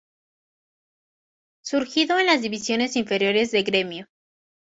Surgido en las divisiones inferiores de Grêmio.